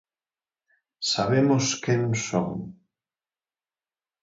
Sabemos quen son.